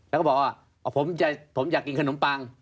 แล้วก็บอกว่าผมอยากกินขนมปัง